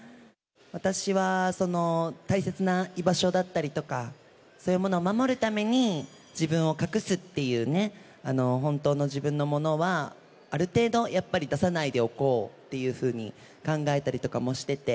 私はその大切な居場所だったりとか、そういうものを守るために、自分を隠すっていう、本当の自分のものは、ある程度、やっぱり出さないでおこうっていうふうに考えたりとかもしてて。